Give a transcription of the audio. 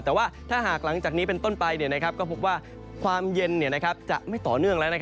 แต่ว่าถ้าหากหลังจากนี้เป็นต้นไปก็พบว่าความเย็นจะไม่ต่อเนื่องแล้ว